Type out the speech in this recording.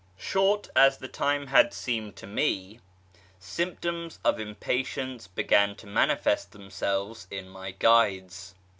Short as the time had seemed to me, symptoms of impatience began to manifest themselves' in my guides.